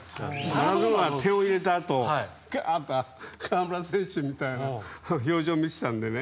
マラドーナは点を入れたあとガーッと河村選手みたいな表情を見せたんでね。